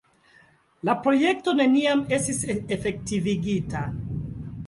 La projekto neniam estis efektivigita.